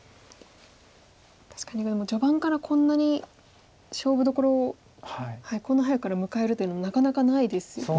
確かにでも序盤からこんなに勝負どころをこんな早くから迎えるというのもなかなかないですよね。